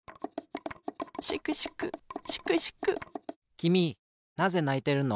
きみなぜないてるの？